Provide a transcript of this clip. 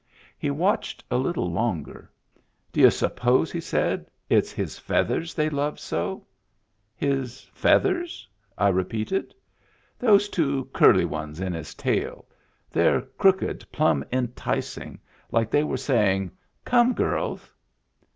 He watched a little longer. " D'you suppose," he said, " it's his feathers they love so }"" His feathers ?" I repeated. "Those two curly ones in his tail. They're crooked plumb enticing, like they were saying, 'Come, girls!'"